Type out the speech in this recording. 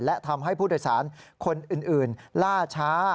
และทำให้ผู้โดยสารคนอื่นล่าช้า